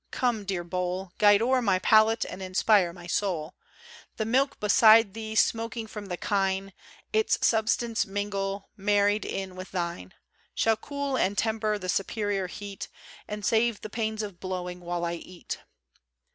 Come, dear bowl, Guide o'er my palate, and inspire my soul ! The milk beside thee, smoking from the kine, Its substance mingle, married in with thine, Shall cool and temper the superior heat, And save the pains of blowing while I eat.